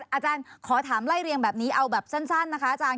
อาจารย์ขอถามไล่เรียงแบบนี้เอาแบบสั้นนะคะอาจารย์